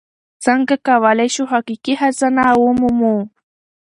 څنګه کولی شو حقیقي خزانه ومومو؟